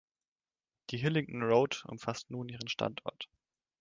Die Hillingdon Road umfasst nun ihren Standort.